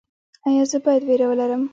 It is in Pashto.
ایا زه باید ویره ولرم؟